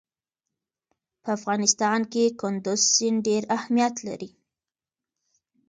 په افغانستان کې کندز سیند ډېر اهمیت لري.